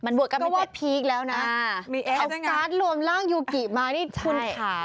มันบวกกับไม่เป็นพีคแล้วนะเอาการ์ดรวมร่างยูกิมานี่คุณขา